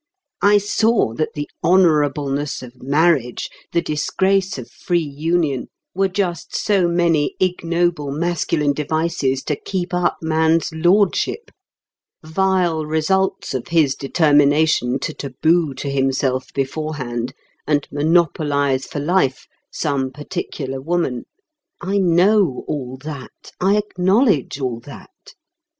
I saw that the honourableness of marriage, the disgrace of free union, were just so many ignoble masculine devices to keep up man's lordship; vile results of his determination to taboo to himself beforehand and monopolise for life some particular woman. I know all that; I acknowledge all that.